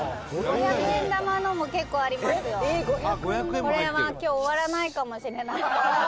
「これは今日終わらないかもしれない」